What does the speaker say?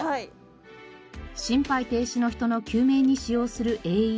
心肺停止の人の救命に使用するＡＥＤ。